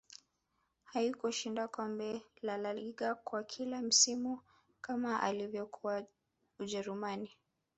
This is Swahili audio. haikushinda kombe lalaliga kwa kila msimu kama alivyokuwa ujerumani